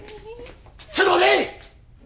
ちょっと待て！